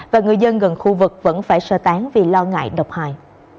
và người dân gần khu vực vẫn phải sơ tán vì lo ngại độc hại